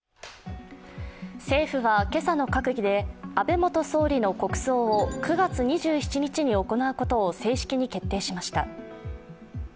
政府は今朝の閣議で安倍元総理の国葬を９月２７日行うことを正式に決定しました。